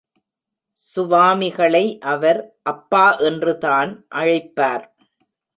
சுவாமிகளை அவர், அப்பா என்றுதான் அழைப்பார்.